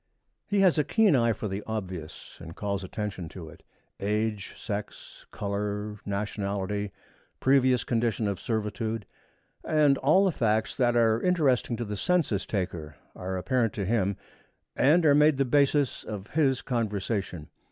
He has a keen eye for the obvious, and calls attention to it. Age, sex, color, nationality, previous condition of servitude, and all the facts that are interesting to the census taker, are apparent to him and are made the basis of his conversation.